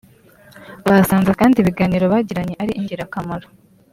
Basanze kandi ibiganiro bagiranye ari ingirakamaro